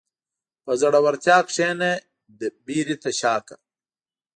په زړورتیا کښېنه، وېرې ته شا کړه.